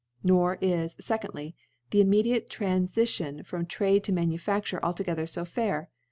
Nor is, %dlyy The immediate Tranfition from Trade to Manufafture altogether fo fair.